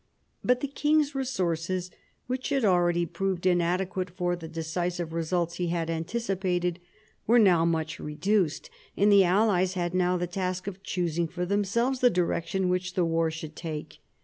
But the king's resources, which had already proved inadequate for the decisive results he had anticipated, were now much reduced, and the allies had now the task of choosing for themselves the direc tion which the war should take.